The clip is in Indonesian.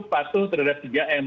pasu terhadap tiga m